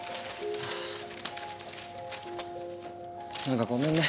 何かごめんね。